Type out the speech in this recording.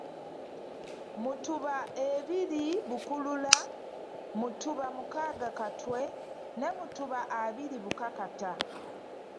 Mutuba ebiri Bukulula, mutuba mukaaga Katwe ne mutuba abiri Bukakata.